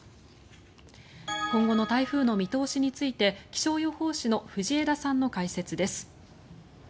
今後の台風の見通しについて気象予報士の藤枝さんの解説です。